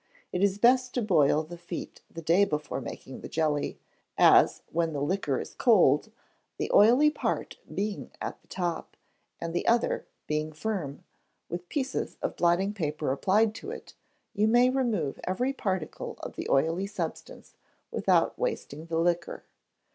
It is best to boil the feet the day before making the jelly, as, when the liquor is cold, the oily part being at the top, and the other being firm, with pieces of blotting paper applied to it, you may remove every particle of the oily substance without wasting the liquor.